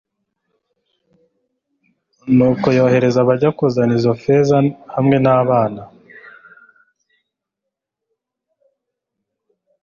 nuko yohereza abajya kuzana izo feza hamwe n'abana